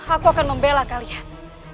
aku akan membela kalian